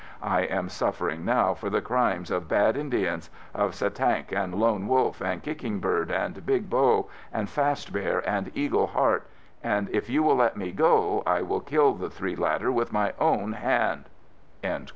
I am suffering now for the crimes of bad Indians—of Satank and Lone Wolf and Kicking Bird and Big Bow and Fast Bear and Eagle Heart, and if you will let me go, I will kill the three latter with my own hand...."